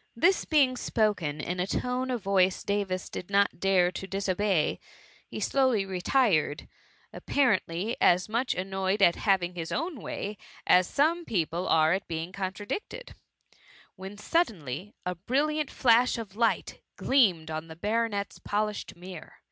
^ This being spoken in a tone of voice Davis did not dare to disobey, he slowly retired, ap parently as much annoyed at having his own way, as some people are at being contradicted ; when suddenly a brilliant flash of light gleamed on the baronet^s polished mirror.